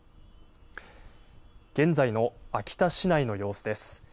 現在の秋田市内の様子です。